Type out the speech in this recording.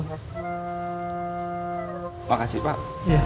terima kasih pak